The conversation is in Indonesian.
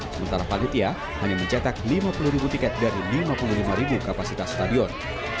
sementara panitia hanya mencetak lima puluh ribu tiket dari lima puluh lima ribu kapasitas stadion